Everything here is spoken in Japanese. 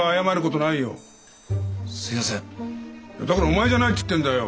だからお前じゃないっつってんだよ。